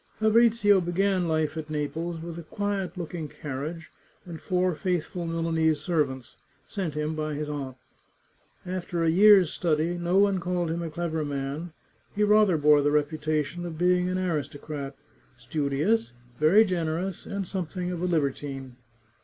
Fabrizio began life at Naples with a quiet looking car 128 The Chartreuse of Parma riage and four faithful Milanese servants, sent him by his aunt. After a year's study, no one called him a clever man ; he rather bore the reputation of being an aristocrat, studi ous, very generous, and something of a libertine.